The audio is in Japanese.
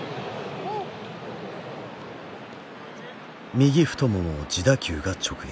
右太ももを自打球が直撃。